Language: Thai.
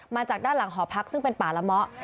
มาจากด้านหลังหอพักซึ่งเป็นป่าละเมาะ